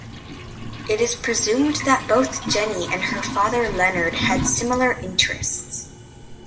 It is presumed that both Jennie and her father Leonard had similar interests.